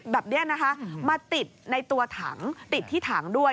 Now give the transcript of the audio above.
แบบนี้นะคะมาติดในตัวถังติดที่ถังด้วย